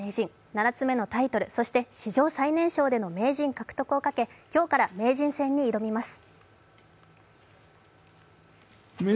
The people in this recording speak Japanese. ７つめのタイトル、そして史上最年少での名人獲得に向け今日から名人戦に挑みます。